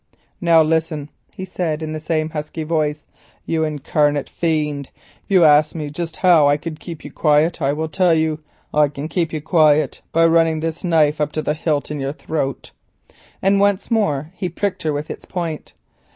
"Now listen," he said, in the same husky voice. "You incarnate fiend, you asked me just now how I could keep you quiet. I will tell you; I can keep you quiet by running this knife up to the hilt in your throat," and once more he pricked her with its point.